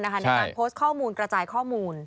ในการโพสต์ข้อมูลกระจายข้อมูล